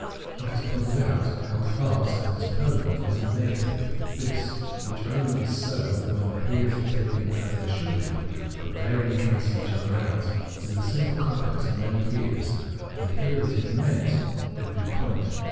What is pointed out, held fast, and is permanent, is a negative This, which only is so when the Heres are taken as they should be, but therein cancel one another ; it is a simple complex of many Heres. The Here that is " meant " would be the point.